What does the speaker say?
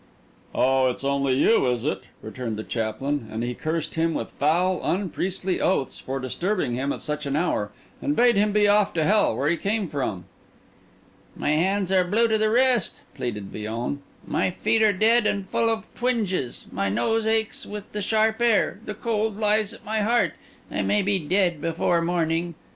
"Oh, it's only you, is it?" returned the chaplain; and he cursed him with foul unpriestly oaths for disturbing him at such an hour, and bade him be off to hell, where he came from. "My hands are blue to the wrist," pleaded Villon; "my feet are dead and full of twinges; my nose aches with the sharp air; the cold lies at my heart. I may be dead before morning.